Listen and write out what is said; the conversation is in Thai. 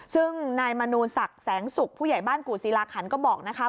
ซึ่งนายมนูศักดิ์แสงสุกผู้ใหญ่บ้านกู่ศิลาขันก็บอกนะคะ